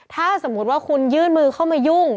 ถ้าสมมุติว่าคุณยื่นมือเข้ามายุ่ง